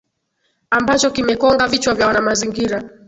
ambacho kimekonga vichwa vya wanamazingira